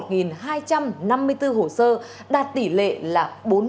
tổng số một hai trăm năm mươi bốn hồ sơ đạt tỷ lệ là bốn mươi chín